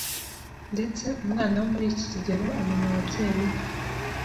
ndetse umwana wo muri iki kigero amenya ababyeyi be.